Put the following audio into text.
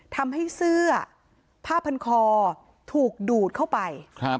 ทำให้เสื้อผ้าพันคอถูกดูดเข้าไป